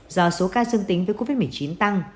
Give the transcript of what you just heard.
do số ca dương tính với covid một mươi chín tăng